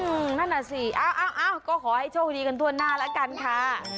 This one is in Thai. นั่นน่ะสิเอ้าก็ขอให้โชคดีกันทั่วหน้าแล้วกันค่ะ